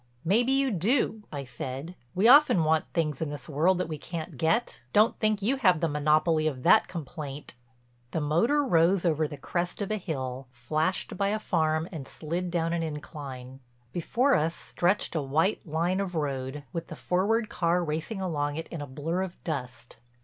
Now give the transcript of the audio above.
"Maybe you do," I said. "We often want things in this world that we can't get. Don't think you have the monopoly of that complaint." The motor rose over the crest of a hill, flashed by a farm and slid down an incline. Before us stretched a white line of road, with the forward car racing along it in a blur of dust.